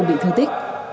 bị thương tích